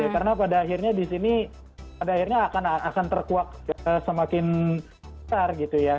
karena pada akhirnya disini pada akhirnya akan terkuak semakin besar gitu ya